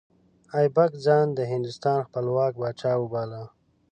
ایبک ځان د هندوستان خپلواک پاچا وباله.